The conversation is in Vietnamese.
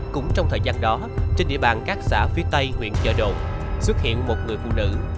cũng trong thời gian đó trên địa bàn các xã phía tây huyện chợ đồn xuất hiện một người phụ nữ